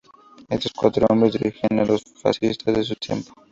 Estos cuatro hombres dirigían a los fascistas de su tiempo.